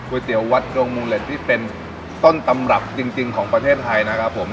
เตี๋ยววัดดงมูเล็ตที่เป็นต้นตำรับจริงของประเทศไทยนะครับผม